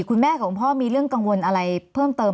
คุณพ่อของพ่อมีเรื่องกังวลอะไรเพิ่มเติม